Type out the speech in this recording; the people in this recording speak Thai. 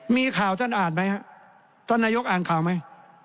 มีข่าวท่านอ่านไหมฮะท่านนายกอ่านข่าวไหม